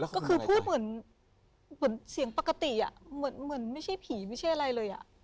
ก็คือพูดเหมือนเสียงปกติเหมือนไม่ใช่ผีไม่ใช่อะไรเลย